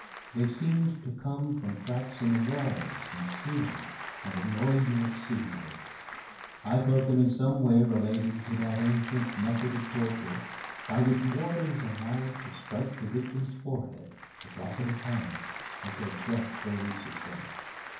They seemed to come from cracks in the walls and ceiling and annoyed me exceedingly. I thought them in some way related to that ancient method of torture by which water is allowed to strike the victim's forehead, a drop at a time, until death releases him.